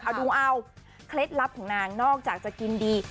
เอาดูเอาเคล็ดลับของนางนอกจากจะกินดี